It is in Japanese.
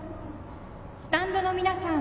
スタンドの皆さん